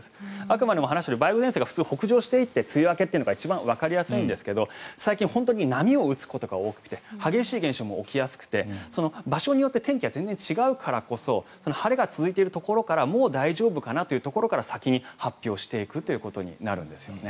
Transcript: あくまでも梅雨前線が普通、北上していって梅雨明けというのが一番わかりやすいんですが最近、波を打つことが多くて激しい現象も起きやすくて場所によって天気が全然違うからこそ晴れが続いているところからもう大丈夫かなというところから先に発表していくということになるんですね。